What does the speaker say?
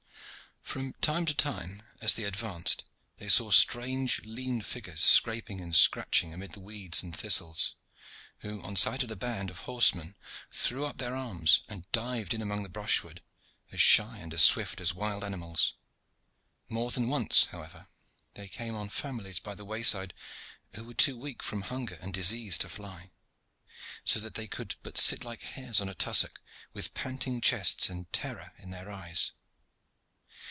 From time to time as they advanced they saw strange lean figures scraping and scratching amid the weeds and thistles, who, on sight of the band of horsemen, threw up their arms and dived in among the brushwood, as shy and as swift as wild animals. More than once, however, they came on families by the wayside, who were too weak from hunger and disease to fly, so that they could but sit like hares on a tussock, with panting chests and terror in their eyes.